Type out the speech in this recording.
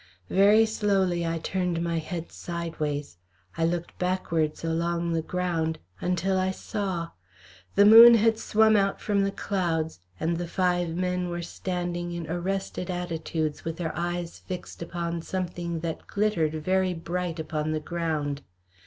Very slowly I turned my head sideways; I looked backwards along the ground, until I saw. The moon had swum out from the clouds, and the five men were standing in arrested attitudes with their eyes fixed upon something that glittered very bright upon the ground.